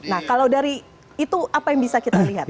nah kalau dari itu apa yang bisa kita lihat